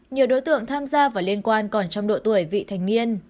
nhiều đối tượng tham gia vào liên quan còn trong độ tuổi vị thành niên